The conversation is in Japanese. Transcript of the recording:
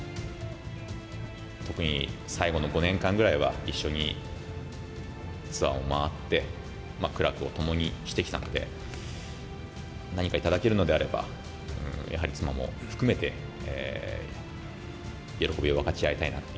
特に最後の５年間ぐらいは、一緒にツアーを回って、苦楽を共にしてきたので、何か頂けるのであれば、やはり妻も含めて、喜びを分かち合いたいなと。